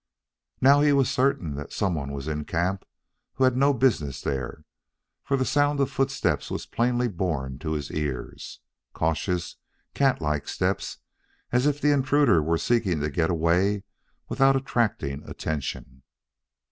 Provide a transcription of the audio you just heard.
Now he was certain that some one was in camp who had no business there, for the sound of footsteps was plainly borne to his ears cautious, catlike steps, as if the intruder were seeking to get away without attracting attention.